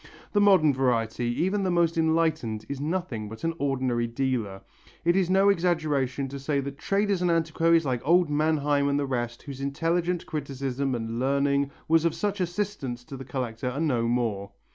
The modern variety, even the most enlightened, is nothing but an ordinary dealer. It is no exaggeration to say that traders and antiquaries like old Manheim and the rest whose intelligent criticism and learning was of such assistance to the collector are no more.